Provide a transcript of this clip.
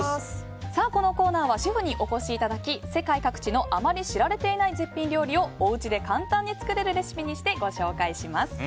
このコーナーはシェフにお越しいただき世界各地のあまり知られていない絶品料理をお家で簡単に作れるレシピにしてご紹介します。